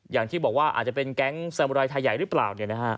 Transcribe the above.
อย่างที่บอกว่าอาจจะเป็นแก๊งสามรายไทยใหญ่หรือเปล่า